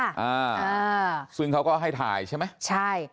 อ่าอ่าซึ่งเขาก็ให้ถ่ายใช่ไหมใช่